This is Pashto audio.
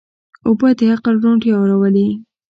اوبه د عقل روڼتیا راولي.